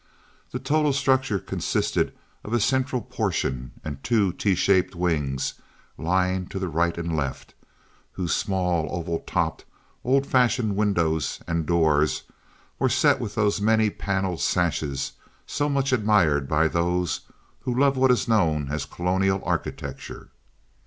The total structure consisted of a central portion and two T shaped wings lying to the right and left, whose small, oval topped old fashioned windows and doors were set with those many paned sashes so much admired by those who love what is known as Colonial architecture.